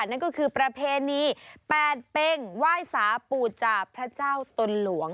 นั่นก็คือประเพณีแปดเป็งไหว้สาปูจาพระเจ้าตนหลวง